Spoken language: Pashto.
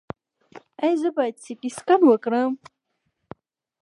ایا زه باید سټي سکن وکړم؟